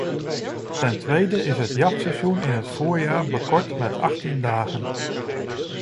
Ten tweede is het jachtseizoen in het voorjaar bekort met achttien dagen.